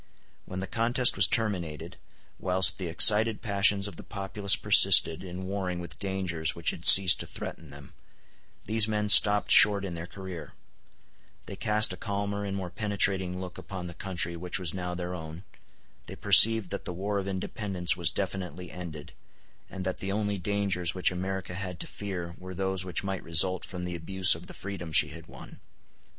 When the contest was terminated, whilst the excited passions of the populace persisted in warring with dangers which had ceased to threaten them, these men stopped short in their career; they cast a calmer and more penetrating look upon the country which was now their own; they perceived that the war of independence was definitely ended, and that the only dangers which America had to fear were those which might result from the abuse of the freedom she had won.